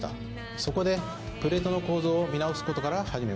そこでプレートの構造を見直す事から始めました。